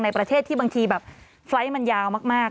ประเทศที่บางทีแบบไฟล์ทมันยาวมาก